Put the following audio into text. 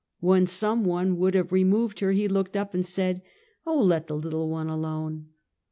When some one would have removed her, he looked up and said: " Oh, let the little one alone!"